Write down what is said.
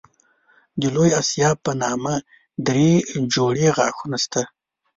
د لوی آسیاب په نامه دری جوړې غاښونه شته.